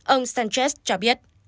ông sánchez cho biết